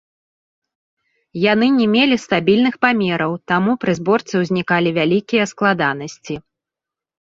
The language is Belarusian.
Яны не мелі стабільных памераў, таму пры зборцы ўзнікалі вялікія складанасці.